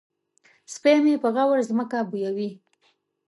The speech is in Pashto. سپی مې په غور ځمکه بویوي.